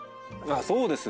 そうですね。